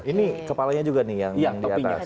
ini kepalanya juga nih yang di atas